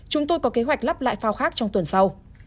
chúng tôi có kế hoạch lắp lại phao khác trong tuần sau